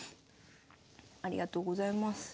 ありがとうございます。